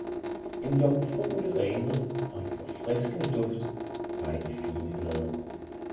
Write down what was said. En jomfruelig renhed og en forfriskende duft var i de fine blade!